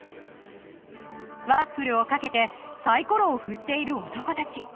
ワッフルを賭けてサイコロを振っている男たち。